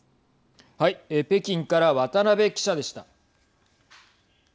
北京から渡辺記者でした。